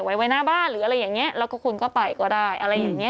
ไว้ไว้หน้าบ้านหรืออะไรอย่างเงี้ยแล้วก็คุณก็ไปก็ได้อะไรอย่างเงี้